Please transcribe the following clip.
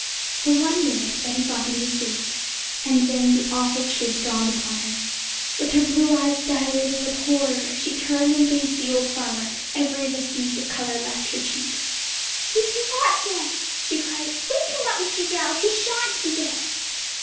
For one minute Betty thought he was asleep, and then the awful truth dawned upon her. With her blue eyes dilating with horror, she turned and faced the old farmer, and every vestige of colour left her cheeks. 'He's not dead!' she cried. 'Wake him up, Mr. Giles; he shan't be dead!'